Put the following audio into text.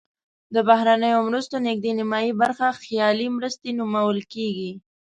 د بهرنیو مرستو نزدې نیمایي برخه خیالي مرستې نومول کیږي.